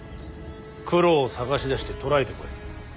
九郎を捜し出して捕らえてこい。